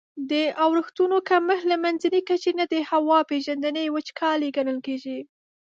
د اورښتونو کمښت له منځني کچي نه د هوا پیژندني وچکالي ګڼل کیږي.